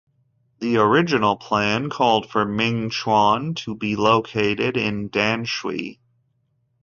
The original plan called for Ming Chuan to be located in Danshui.